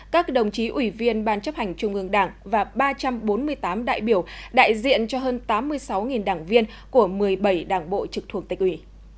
các đồng chí ủy viên ban chấp hành trung ương đảng và ba trăm bốn mươi tám đại biểu đại diện cho hơn tám mươi sáu đảng viên của một mươi bảy đảng bộ trực thuộc tịch ủy